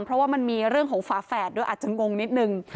เพราะว่ามันมีเรื่องของฝาแฝดด้วยอาจจะงงนิดนึง